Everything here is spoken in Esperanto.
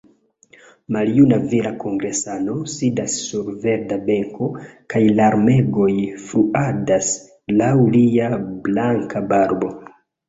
Maljuna vira kongresano sidas sur verda benko kaj larmegoj fluadas laŭ lia blanka barbo.